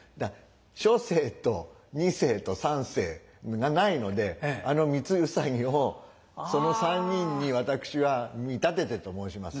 初世と二世と三世がないのであの三つ兎をその３人に私は見立ててと申しますか。